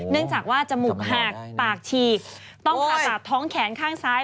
เนื่องจากว่าจมูกหักปากฉีกต้องผ่าตัดท้องแขนข้างซ้าย